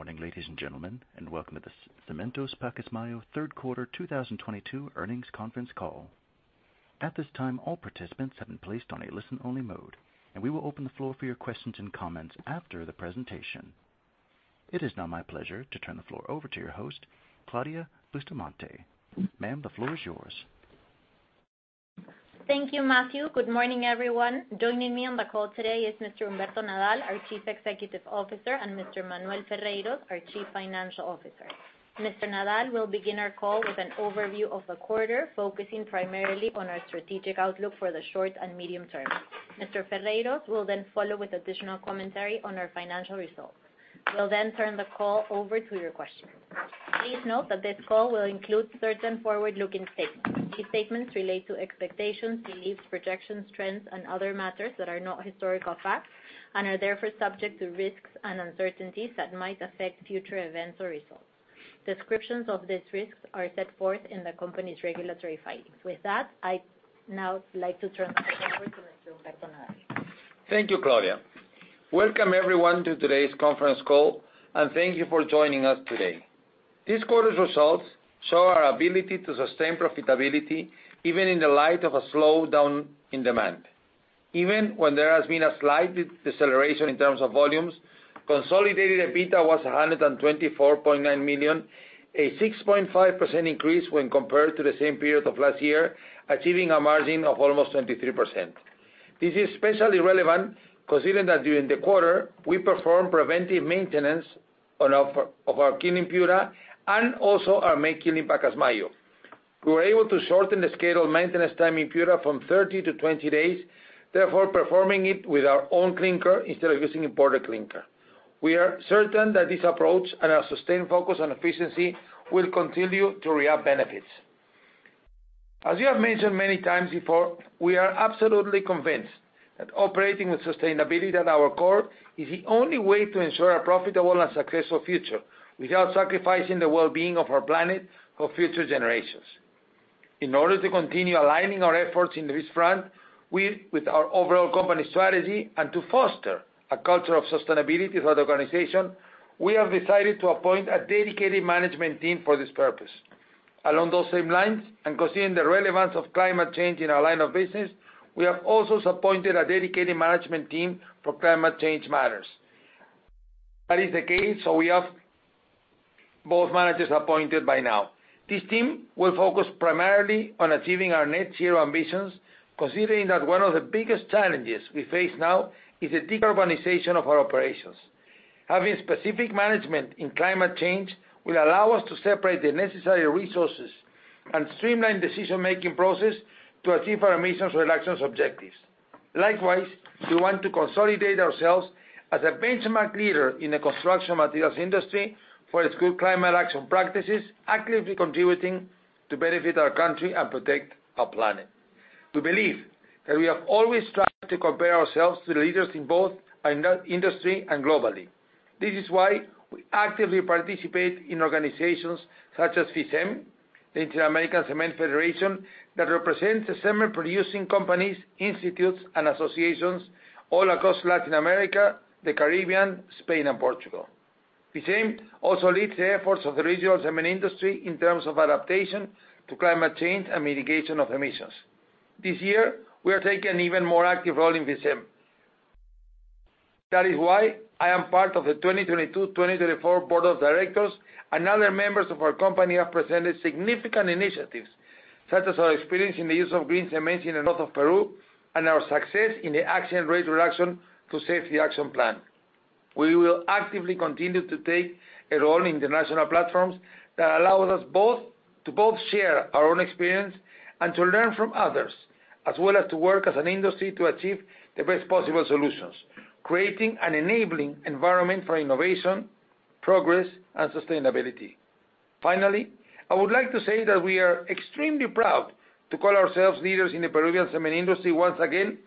Good morning, ladies and gentlemen, and welcome to the Cementos Pacasmayo third quarter 2022 earnings conference call. At this time, all participants have been placed on a listen-only mode, and we will open the floor for your questions and comments after the presentation. It is now my pleasure to turn the floor over to your host, Claudia Bustamante. Ma'am, the floor is yours. Thank you, Matthew. Good morning, everyone. Joining me on the call today is Mr. Humberto Nadal, our Chief Executive Officer, and Mr. Manuel Ferreyros, our Chief Financial Officer. Mr. Nadal will begin our call with an overview of the quarter, focusing primarily on our strategic outlook for the short and medium term. Mr. Ferreyros will then follow with additional commentary on our financial results. We'll then turn the call over to your questions. Please note that this call will include certain forward-looking statements. These statements relate to expectations, beliefs, projections, trends, and other matters that are not historical facts and are therefore subject to risks and uncertainties that might affect future events or results. Descriptions of these risks are set forth in the company's regulatory filings. With that, I'd now like to turn the call over to Mr. Humberto Nadal. Thank you, Claudia. Welcome everyone to today's conference call, and thank you for joining us today. This quarter's results show our ability to sustain profitability, even in the light of a slowdown in demand. Even when there has been a slight deceleration in terms of volumes, consolidated EBITDA was PEN 124.9 million, a 6.5% increase when compared to the same period of last year, achieving a margin of almost 23%. This is especially relevant considering that during the quarter, we performed preventive maintenance on our kiln in Piura and also our main kiln in Pacasmayo. We were able to shorten the scheduled maintenance time in Piura from 30 days-20 days, therefore performing it with our own clinker instead of using imported clinker. We are certain that this approach and our sustained focus on efficiency will continue to reap benefits. As you have mentioned many times before, we are absolutely convinced that operating with sustainability at our core is the only way to ensure a profitable and successful future without sacrificing the well-being of our planet for future generations. In order to continue aligning our efforts in this front with our overall company strategy and to foster a culture of sustainability for the organization, we have decided to appoint a dedicated management team for this purpose. Along those same lines, and considering the relevance of climate change in our line of business, we have also appointed a dedicated management team for climate change matters. That is the case, so we have both managers appointed by now. This team will focus primarily on achieving our net zero ambitions, considering that one of the biggest challenges we face now is the decarbonization of our operations. Having specific management in climate change will allow us to separate the necessary resources and streamline decision-making process to achieve our emissions reductions objectives. Likewise, we want to consolidate ourselves as a benchmark leader in the construction materials industry for its good climate action practices, actively contributing to benefit our country and protect our planet. We believe that we have always strived to compare ourselves to the leaders in both the industry and globally. This is why we actively participate in organizations such as FICEM, the Inter-American Cement Federation, that represents the cement producing companies, institutes, and associations all across Latin America, the Caribbean, Spain, and Portugal. FICEM also leads the efforts of the regional cement industry in terms of adaptation to climate change and mitigation of emissions. This year, we are taking an even more active role in FICEM. That is why I am part of the 2022-2024 Board of Directors, and other members of our company have presented significant initiatives, such as our experience in the use of green cement in the North of Peru and our success in the accident rate reduction to safety action plan. We will actively continue to take a role in international platforms that allows us to both share our own experience and to learn from others, as well as to work as an industry to achieve the best possible solutions, creating an enabling environment for innovation, progress, and sustainability. Finally, I would like to say that we are extremely proud to call ourselves leaders in the Peruvian cement industry once again,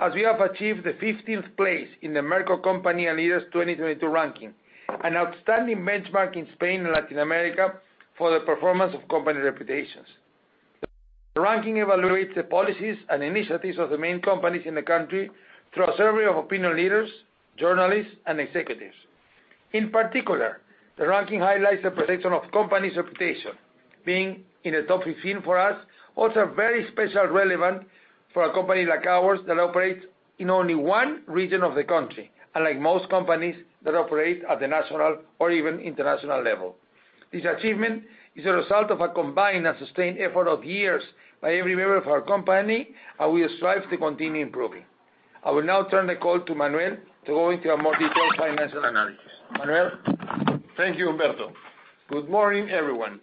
as we have achieved the 15th place in the Merco Empresas y Líderes 2022 ranking, an outstanding benchmark in Spain and Latin America for the performance of company reputations. The ranking evaluates the policies and initiatives of the main companies in the country through a survey of opinion leaders, journalists, and executives. In particular, the ranking highlights the protection of the company's reputation. Being in the top 15 for us is also very especially relevant for a company like ours that operates in only one region of the country, unlike most companies that operate at the national or even international level. This achievement is a result of a combined and sustained effort of years by every member of our company, and we strive to continue improving. I will now turn the call to Manuel to go into a more detailed financial analysis. Manuel? Thank you, Humberto. Good morning, everyone.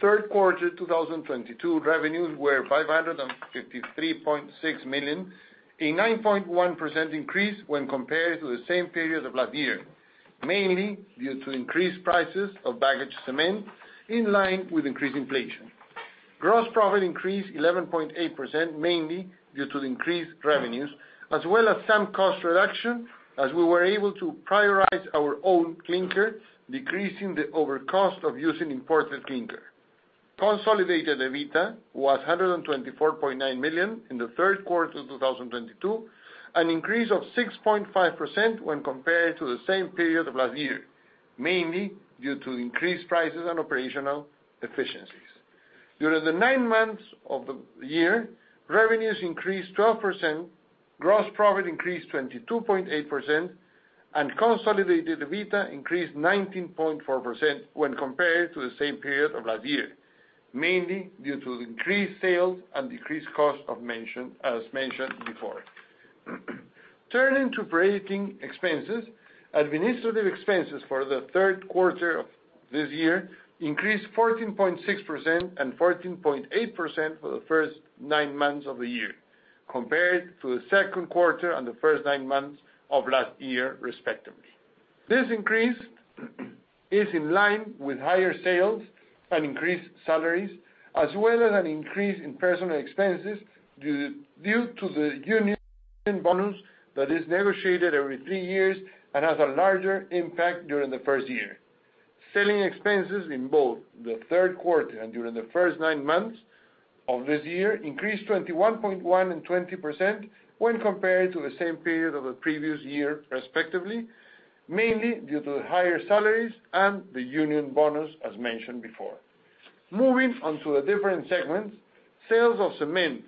Third quarter 2022 revenues were PEN 553.6 million, a 9.1% increase when compared to the same period of last year, mainly due to increased prices of bagged cement in line with increased inflation. Gross profit increased 11.8%, mainly due to the increased revenues, as well as some cost reduction as we were able to prioritize our own clinker, decreasing the overcost of using imported clinker. Consolidated EBITDA was PEN 124.9 million in the third quarter of 2022, an increase of 6.5% when compared to the same period of last year, mainly due to increased prices and operational efficiencies. During the nine months of the year, revenues increased 12%, gross profit increased 22.8%, and consolidated EBITDA increased 19.4% when compared to the same period of last year, mainly due to increased sales and decreased cost of sales, as mentioned before. Turning to operating expenses, administrative expenses for the third quarter of this year increased 14.6% and 14.8% for the first nine months of the year compared to the second quarter and the first nine months of last year, respectively. This increase is in line with higher sales and increased salaries, as well as an increase in personal expenses due to the union bonus that is negotiated every three years and has a larger impact during the first year. Selling expenses in both the third quarter and during the first nine months of this year increased 21.1% and 20% when compared to the same period of the previous year, respectively, mainly due to the higher salaries and the union bonus, as mentioned before. Moving on to the different segments. Sales of cement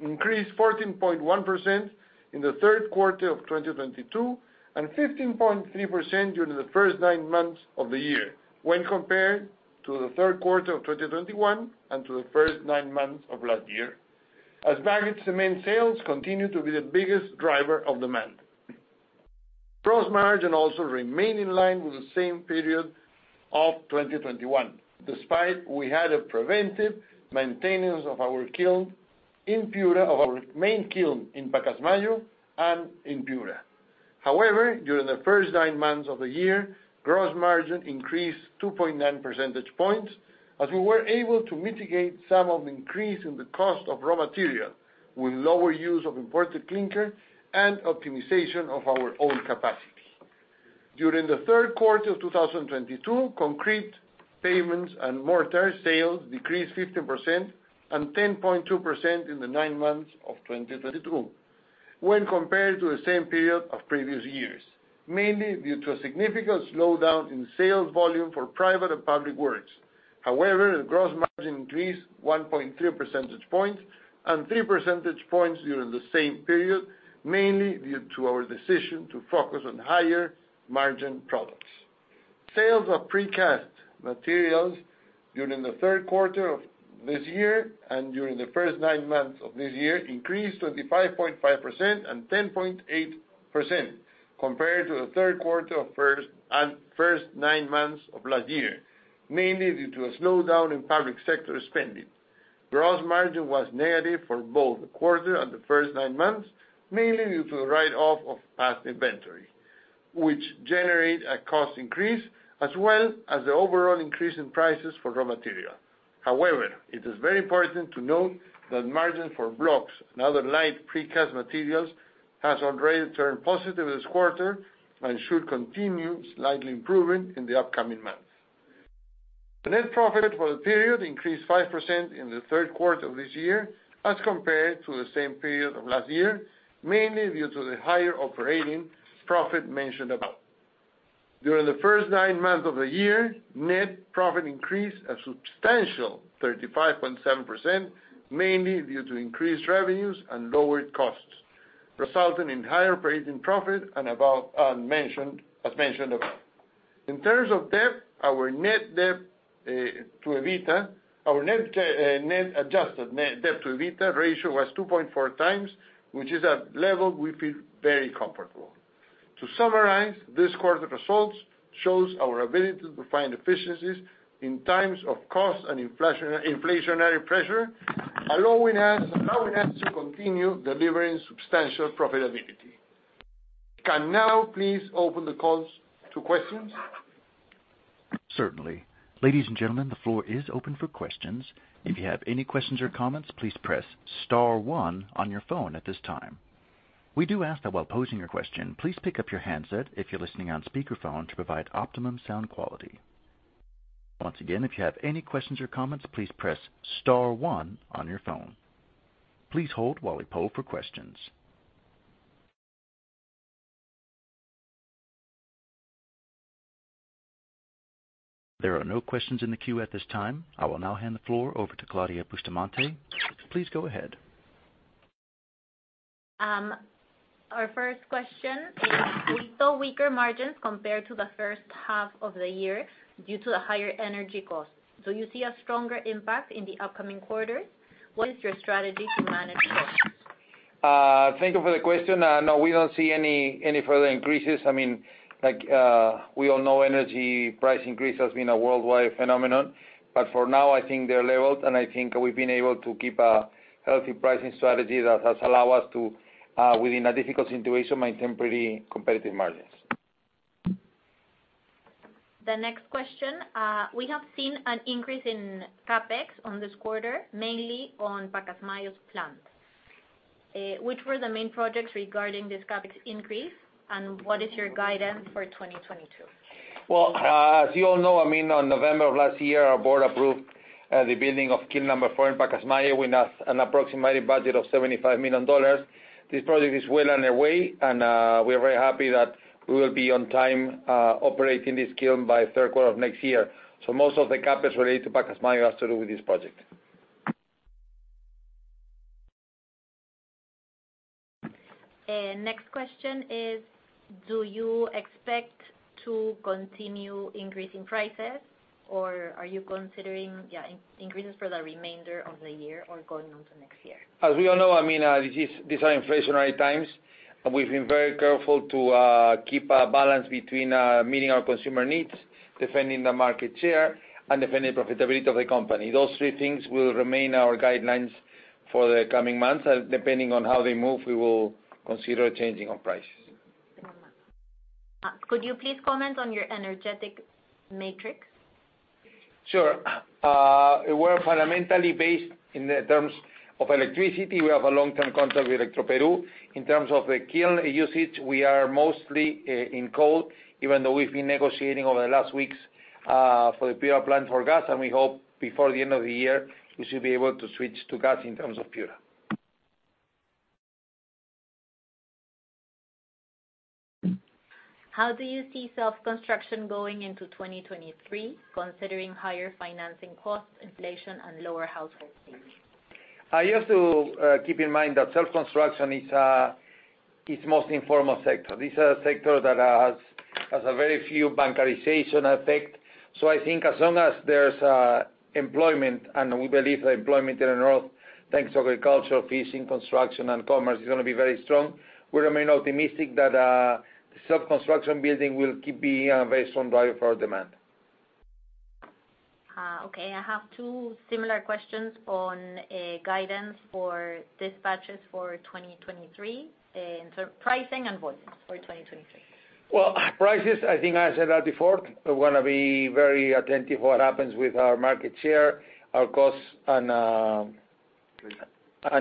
increased 14.1% in the third quarter of 2022, and 15.3% during the first nine months of the year when compared to the third quarter of 2021 and to the first nine months of last year. As bagged cement sales continue to be the biggest driver of demand. Gross margin also remain in line with the same period of 2021, despite we had a preventive maintenance of our kiln in Piura, of our main kiln in Pacasmayo and in Piura. However, during the first nine months of the year, gross margin increased 2.9 percentage points as we were able to mitigate some of the increase in the cost of raw material with lower use of imported clinker and optimization of our own capacity. During the third quarter of 2022, concrete, pavements, and mortar sales decreased 15% and 10.2% in the nine months of 2022 when compared to the same period of previous years, mainly due to a significant slowdown in sales volume for private and public works. However, the gross margin increased 1.3 percentage points and 3 percentage points during the same period, mainly due to our decision to focus on higher margin products. Sales of precast materials during the third quarter of this year and during the first nine months of this year increased by 5.5% and 10.8% compared to the third quarter and first nine months of last year, mainly due to a slowdown in public sector spending. Gross margin was negative for both the quarter and the first nine months, mainly due to the write-off of past inventory, which generate a cost increase as well as the overall increase in prices for raw material. However, it is very important to note that margin for blocks and other light precast materials has already turned positive this quarter and should continue slightly improving in the upcoming months. The net profit for the period increased 5% in the third quarter of this year as compared to the same period of last year, mainly due to the higher operating profit mentioned above. During the first nine months of the year, net profit increased a substantial 35.7%, mainly due to increased revenues and lower costs, resulting in higher operating profit, as mentioned above. In terms of debt, our net debt to EBITDA, our net adjusted net debt to EBITDA ratio was 2.4x, which is a level we feel very comfortable. To summarize, this quarter results shows our ability to find efficiencies in times of cost and inflation, inflationary pressure, allowing us to continue delivering substantial profitability. We can now please open the calls to questions. Certainly. Ladies and gentlemen, the floor is open for questions. If you have any questions or comments, please press star one on your phone at this time. We do ask that while posing your question, please pick up your handset if you're listening on speakerphone to provide optimum sound quality. Once again, if you have any questions or comments, please press star one on your phone. Please hold while we poll for questions. There are no questions in the queue at this time. I will now hand the floor over to Claudia Bustamante. Please go ahead. Our first question is, we saw weaker margins compared to the first half of the year due to the higher energy costs. Do you see a stronger impact in the upcoming quarters? What is your strategy to manage costs? Thank you for the question. No, we don't see any further increases. I mean, like, we all know energy price increase has been a worldwide phenomenon, but for now I think they're leveled and I think we've been able to keep a healthy pricing strategy that has allow us to, within a difficult situation, maintain pretty competitive margins. The next question. We have seen an increase in CapEx in this quarter, mainly in Pacasmayo's plant. Which were the main projects regarding this CapEx increase, and what is your guidance for 2022? Well, as you all know, I mean, on November of last year, our board approved the building of kiln number four in Pacasmayo with an approximated budget of $75 million. This project is well on their way, and we are very happy that we will be on time operating this kiln by third quarter of next year. Most of the CapEx related to Pacasmayo has to do with this project. Next question is, do you expect to continue increasing prices, or are you considering, yeah, increases for the remainder of the year or going into next year? As we all know, I mean, this is, these are inflationary times, and we've been very careful to keep a balance between meeting our consumer needs, defending the market share, and defending profitability of the company. Those three things will remain our guidelines for the coming months. Depending on how they move, we will consider changing our prices. Could you please comment on your energy matrix? Sure. We're fundamentally based in the terms of electricity. We have a long-term contract with Electroperú S.A. In terms of the kiln usage, we are mostly in coal, even though we've been negotiating over the last weeks for the Piura plant for gas, and we hope before the end of the year, we should be able to switch to gas in terms of Piura. How do you see self-construction going into 2023, considering higher financing costs, inflation, and lower household income? I used to keep in mind that self-construction is mostly informal sector. This is a sector that has a very few bancarization effect. I think as long as there's employment, and we believe that employment in the north, thanks to agriculture, fishing, construction, and commerce, is gonna be very strong, we remain optimistic that self-construction building will keep being a very strong driver for our demand. Okay, I have two similar questions on guidance for dispatches for 2023, in sort of pricing and volumes for 2023. Well, prices, I think I said that before. We wanna be very attentive what happens with our market share, our costs, and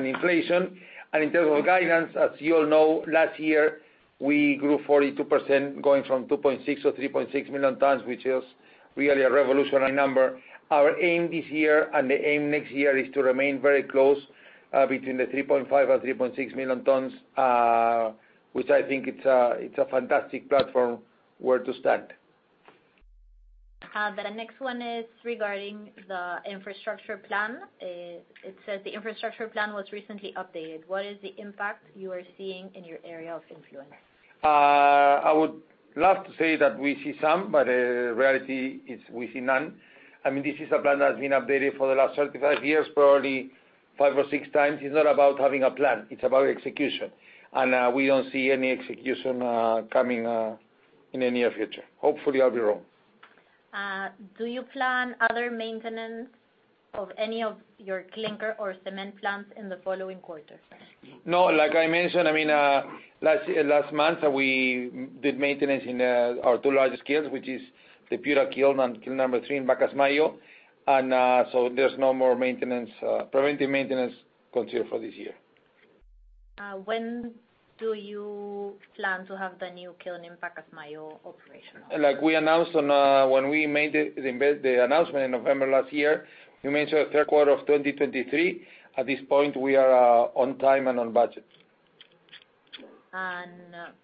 inflation. In terms of guidance, as you all know, last year, we grew 42%, going from 2.6 or 3.6 million tons, which is really a revolutionary number. Our aim this year and the aim next year is to remain very close, between the 3.5 or 3.6 million tons, which I think it's a fantastic platform where to start. The next one is regarding the infrastructure plan. It says the infrastructure plan was recently updated. What is the impact you are seeing in your area of influence? I would love to say that we see some, but the reality is we see none. I mean, this is a plan that has been updated for the last 35 years, probabby 5x or 6x. It's not about having a plan, it's about execution. We don't see any execution coming in the near future. Hopefully, I'll be wrong. Do you plan other maintenance of any of your clinker or cement plants in the following quarters? No, like I mentioned, I mean, last month, we did maintenance in our two largest kilns, which is the Piura kiln and kiln number three in Pacasmayo. There's no more maintenance, preventive maintenance considered for this year. When do you plan to have the new kiln in Pacasmayo operational? Like we announced on, when we made it, the announcement in November last year, we mentioned the third quarter of 2023. At this point, we are on time and on budget.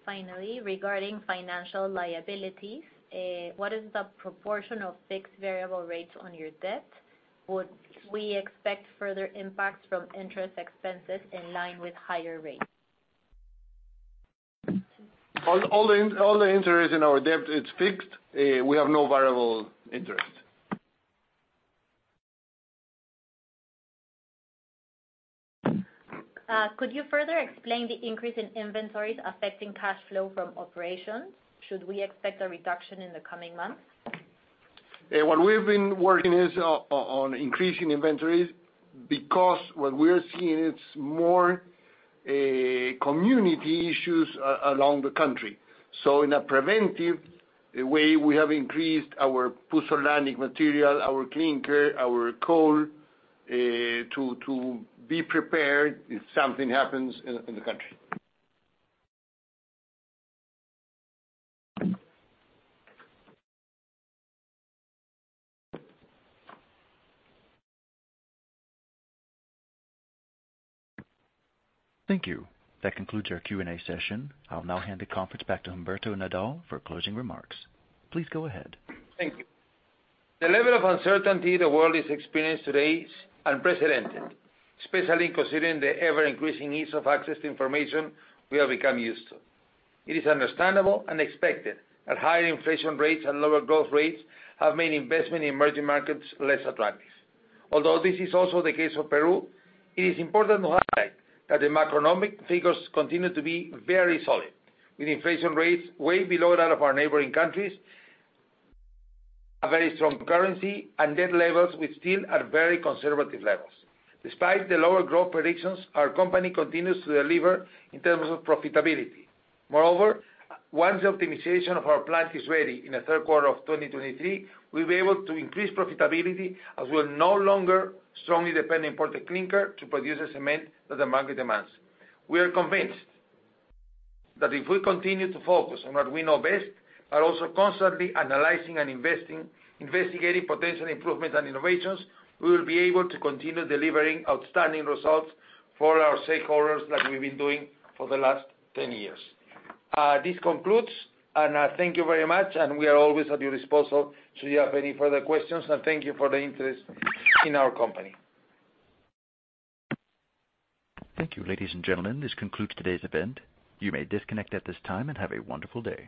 Finally, regarding financial liabilities, what is the proportion of fixed variable rates on your debt? Would we expect further impacts from interest expenses in line with higher rates? All the interest in our debt is fixed. We have no variable interest. Could you further explain the increase in inventories affecting cash flow from operations? Should we expect a reduction in the coming months? Yeah. What we've been working on is increasing inventories because what we're seeing, it's more community issues along the country. In a preventive way, we have increased our pozzolanic material, our clinker, our coal, to be prepared if something happens in the country. Thank you. That concludes our Q&A session. I'll now hand the conference back to Humberto Nadal for closing remarks. Please go ahead. Thank you. The level of uncertainty the world is experiencing today is unprecedented, especially considering the ever-increasing ease of access to information we have become used to. It is understandable and expected that higher inflation rates and lower growth rates have made investment in emerging markets less attractive. Although this is also the case for Peru, it is important to highlight that the macroeconomic figures continue to be very solid, with inflation rates way below that of our neighboring countries, a very strong currency, and debt levels, which still are very conservative levels. Despite the lower growth predictions, our company continues to deliver in terms of profitability. Moreover, once the optimization of our plant is ready in the third quarter of 2023, we'll be able to increase profitability, as we're no longer strongly dependent on imported clinker to produce the cement that the market demands. We are convinced that if we continue to focus on what we know best, but also constantly analyzing and investing, investigating potential improvements and innovations, we will be able to continue delivering outstanding results for our stakeholders like we've been doing for the last 10 years. This concludes. Thank you very much. We are always at your disposal should you have any further questions. Thank you for the interest in our company. Thank you. Ladies and gentlemen, this concludes today's event. You may disconnect at this time, and have a wonderful day.